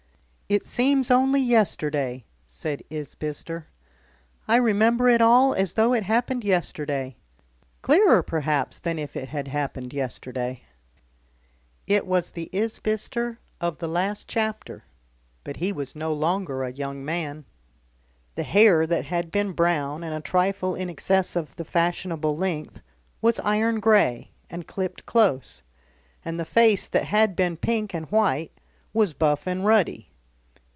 "It seems only yesterday," said Isbister. "I remember it all as though it happened yesterday clearer, perhaps, than if it had happened yesterday." It was the Isbister of the last chapter, but he was no longer a young man. The hair that had been brown and a trifle in excess of the fashionable length, was iron grey and clipped close, and the face that had been pink and white was buff and ruddy.